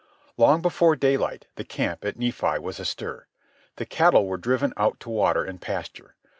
Long before daylight the camp at Nephi was astir. The cattle were driven out to water and pasture.